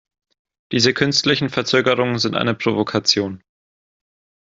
Diese künstlichen Verzögerungen sind eine Provokation.